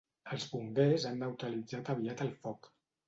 Els bombers han neutralitzat aviat el foc.